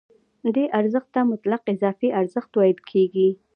دې ارزښت ته مطلق اضافي ارزښت ویل کېږي